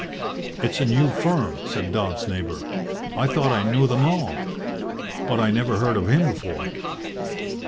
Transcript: "It's a new firm," said Dodds's neighbour. "I thought I knew them all, but I never heard of him before."